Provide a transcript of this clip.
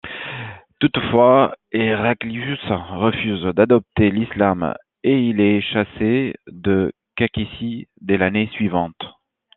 Toutefois, Héraclius refuse d’adopter l’islam et il est chassé de Kakhétie dès l’année suivante.